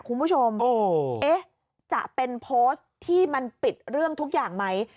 คุณผู้ชมจะเป็นโพสต์ที่มันปิดเรื่องทุกอย่างไหม